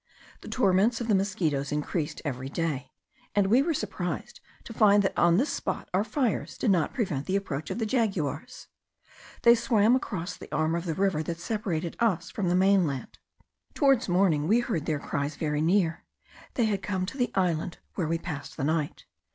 The torments of the mosquitos increased every day; and we were surprised to find that on this spot our fires did not prevent the approach of the jaguars. They swam across the arm of the river that separated us from the mainland. Towards morning we heard their cries very near. They had come to the island where we passed the night.